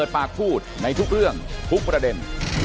ไม่นานเหมือนกัน